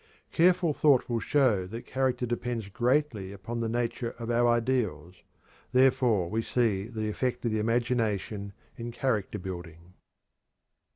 Careful thought will show that character depends greatly upon the nature of our ideals; therefore we see the effect of the imagination in character building.